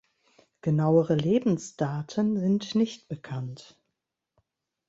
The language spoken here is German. Genauere Lebensdaten sind nicht bekannt.